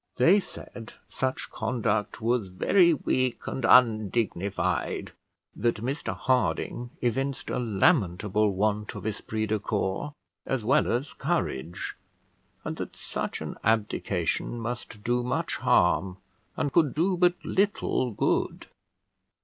They said such conduct was very weak and undignified; that Mr Harding evinced a lamentable want of esprit de corps, as well as courage; and that such an abdication must do much harm, and could do but little good.